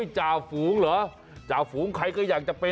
จ่าฝูงเหรอจ่าฝูงใครก็อยากจะเป็น